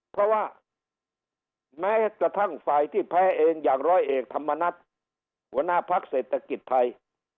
เพราะว่าแม้กระทั่งฝ่ายที่แพ้เองอย่างร้อยเอกธรรมนัฏหัวหน้าพักเศรษฐกิจไทย